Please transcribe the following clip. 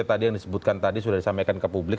tadi yang disebutkan tadi sudah disampaikan ke publik